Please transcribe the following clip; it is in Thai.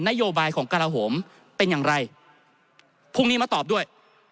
นโยบายของกระลาโหมเป็นอย่างไรพรุ่งนี้มาตอบด้วย